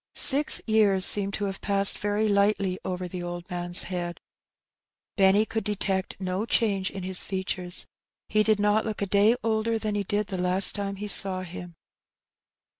Six years seemed to have passed very lightly over the old man's head. Benny could detect no change in his features ; he did not look a day older than he did the last time he saw him.